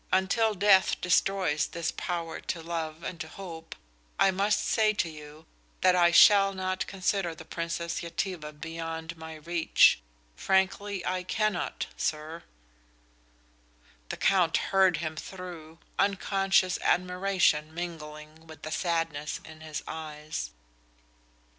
Until death destroys this power to love and to hope I must say to you that I shall not consider the Princess Yetive beyond my reach. Frankly, I cannot, sir." The Count heard him through, unconscious admiration mingling with the sadness in his eyes.